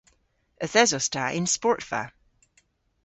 Yth esos ta y'n sportva.